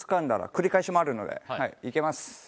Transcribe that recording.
繰り返しもあるのでいけます。